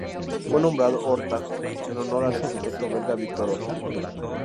Fue nombrado Horta en honor al arquitecto belga Victor Horta.